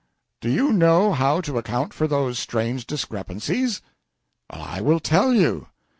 "Do you know how to account for those strange discrepancies? I will tell you.